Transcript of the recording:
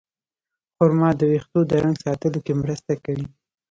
خرما د ویښتو د رنګ ساتلو کې مرسته کوي.